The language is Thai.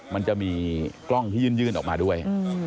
มันจะมีกล้องที่ยื่นออกมาด้วย